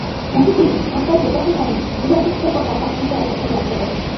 মহিষী আজকাল যে কথাই পাড়েন, উদয়াদিত্যের কথা তাহার মধ্যে এক স্থলে আসিয়া পড়ে।